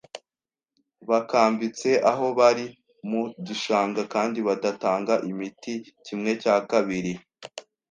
bakambitse aho bari mu gishanga kandi badatanga imiti, kimwe cya kabiri